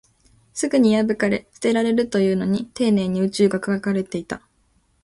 すぐに破かれ、捨てられるというのに、丁寧に宇宙が描かれていた